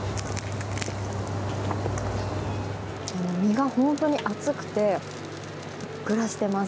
身が本当に厚くてふっくらしています。